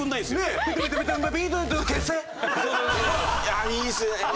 いやいいですね！